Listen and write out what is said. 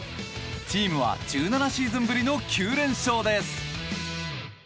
チームは１７シーズンぶりの９連勝です。